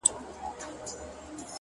هغه ولس چي د ؛